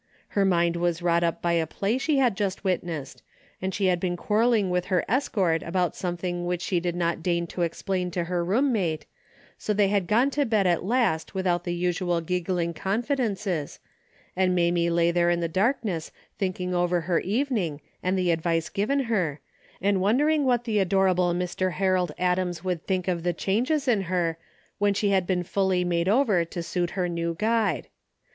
Her mind was wrought up by a play she had just witnessed, and she had been quarreling with her escort about something which she did not deign to explain to her roommate, so they had gone to bed at last without the usual giggling confidences, and Mamie lay there in the darkness thinking over her evening and the advice given her, and wondering what the adorable Mr. Harold Adams would think of the changes in her when she had been fully made over to suit her new guide.